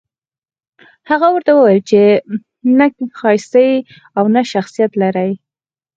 هغه ورته وويل چې نه ښايسته يې او نه شخصيت لرې.